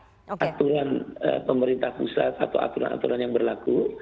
tetap tetap atur aturan pemerintah pusat atau aturan aturan yang berlaku